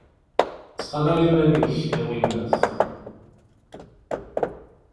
Ttqadar iman-ik, a winnat!